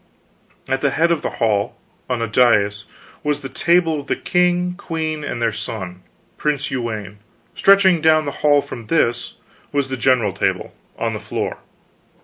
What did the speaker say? At the head of the hall, on a dais, was the table of the king, queen, and their son, Prince Uwaine. Stretching down the hall from this, was the general table, on the floor.